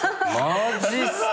マジっすか！？